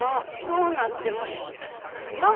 どうなってもいいからしよ。